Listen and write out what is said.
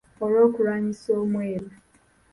Olw’okulwanyisa omweru.